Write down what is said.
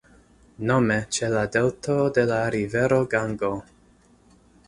Nome ĉe la delto de la rivero Gango.